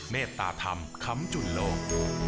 เมตตาธรรมคำจุนโลก